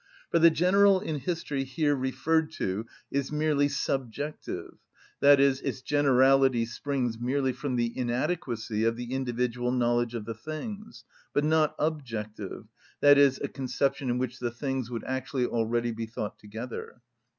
For the general in history here referred to is merely subjective, i.e., its generality springs merely from the inadequacy of the individual knowledge of the things, but not objective, i.e., a conception in which the things would actually already be thought together.